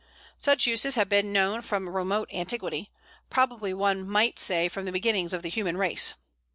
Such uses have been known from remote antiquity probably one might say from the beginnings of the human race.